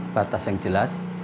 batas yang jelas